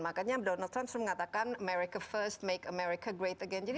makanya donald trump mengatakan america first make america great again